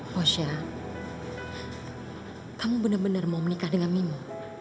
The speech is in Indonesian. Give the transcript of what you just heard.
bosya kamu benar benar mau menikah dengan mimu